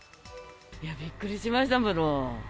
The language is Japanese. いや、びっくりしましたもの。